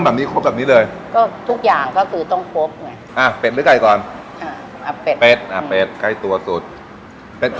มามนี่มันมีความหอมอยู่ในตัวอยู่แล้ว